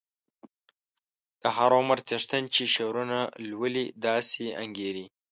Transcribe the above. د هر عمر څښتن چې شعرونه لولي داسې انګیري.